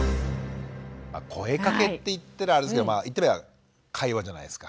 「声かけ」って言っててあれですけど言ってみれば会話じゃないですか。